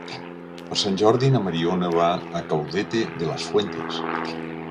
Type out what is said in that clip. Per Sant Jordi na Mariona va a Caudete de las Fuentes.